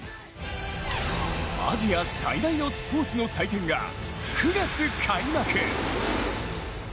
アジア最大のスポーツの祭典が９月開幕。